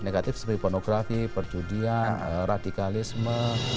negatif seperti pornografi perjudian radikalisme